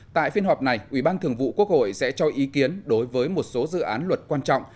tại phiên họp này ủy ban thường vụ quốc hội sẽ cho ý kiến đối với một số dự án luật quan trọng